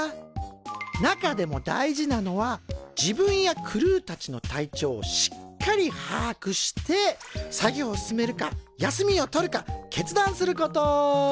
中でも大事なのは自分やクルーたちの体調をしっかりはあくして作業を進めるか休みを取るか決断すること。